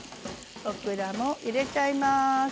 オクラも入れちゃいます。